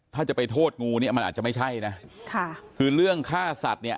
ถ้าจะไปโทษงูเนี่ยมันอาจจะไม่ใช่นะค่ะคือเรื่องฆ่าสัตว์เนี่ย